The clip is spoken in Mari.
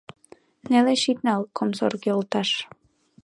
Нелеш ит нал, комсорг йолташ.